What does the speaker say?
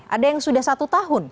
ada yang sudah satu tahun